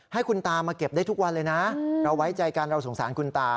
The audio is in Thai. ให้คุณตามาเก็บได้ทุกวันเลยนะเราไว้ใจกันเราสงสารคุณตา